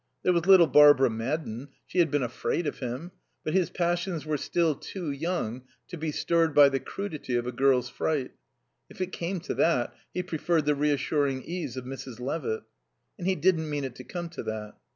There was little Barbara Madden; she had been afraid of him; but his passions were still too young to be stirred by the crudity of a girl's fright; if it came to that, he preferred the reassuring ease of Mrs. Levitt. And he didn't mean it to come to that.